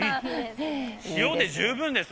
塩で十分です。